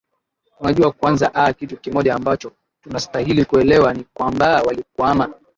unajua kwanzaa aa kitu kimoja ambacho tunastahili kuelewa ni kwambaa walikwama